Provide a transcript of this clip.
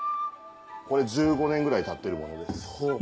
これ１５年ぐらいたってるものです。